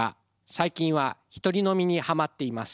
最近は一人飲みにハマっています。